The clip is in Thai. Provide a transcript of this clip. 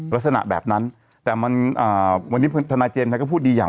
ลักษณะแบบนั้นแต่มาวันนี้ธนาเจนก็พูดดีอย่าง